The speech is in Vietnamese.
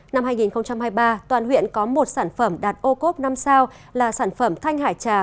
năm hai nghìn hai mươi ba toàn huyện có một sản phẩm đạt ô cốp năm sao là sản phẩm thanh hải trà